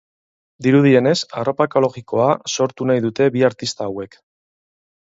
Dirudienez, arropa ekologikoa sortu nahi dute bi artista hauek.